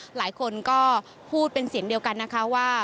หลายคนก็พูดเป็นเสียงเดียวกันนะคะว่า